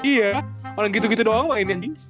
iya orang gitu gitu doang main anjing